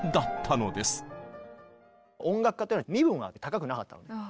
音楽家っていうのは身分が高くなかったの。